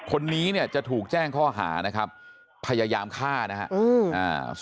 คนนี้จะถูกแจ้งข้อหาร่วมกันพยายามฆ่านะครับ